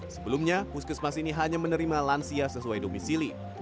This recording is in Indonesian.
sebelumnya puskesmas ini hanya menerima lansia sesuai domisili